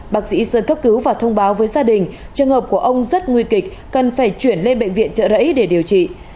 bác sĩ sơn cấp cứu và thông báo với gia đình trường hợp của ông rất nguy kịch cần phải chuyển lên bệnh viện trợ rẫy để điều trị